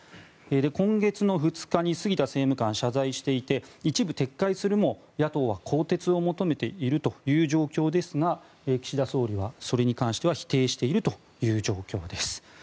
今月の２日に杉田政務官謝罪していて一部撤回するも野党は更迭を求めているという状況ですが岸田総理はそれに関しては否定しているという状況です。